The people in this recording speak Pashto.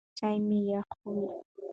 چای مه یخوئ.